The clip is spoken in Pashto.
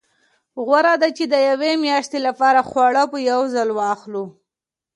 غوره ده چې د یوې میاشتې لپاره خواړه په یو ځل واخلو.